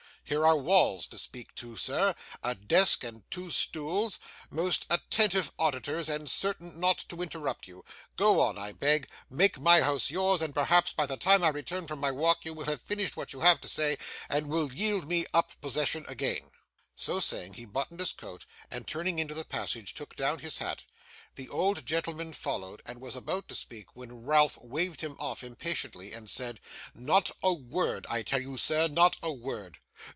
'Here are walls to speak to, sir, a desk, and two stools: most attentive auditors, and certain not to interrupt you. Go on, I beg; make my house yours, and perhaps by the time I return from my walk, you will have finished what you have to say, and will yield me up possession again.' So saying, he buttoned his coat, and turning into the passage, took down his hat. The old gentleman followed, and was about to speak, when Ralph waved him off impatiently, and said: 'Not a word. I tell you, sir, not a word.